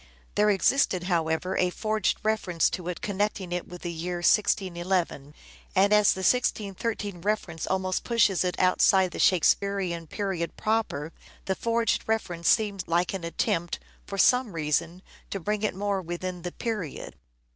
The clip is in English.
There existed, however, a forged reference to it connecting it with the year 1611 ; and as the 1613 reference almost pushes it outside the Shakespearean period proper, the forged reference seems like an attempt, for some reason, to bring it more within the period.